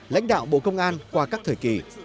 lãnh đạo bộ công an qua các thời kỳ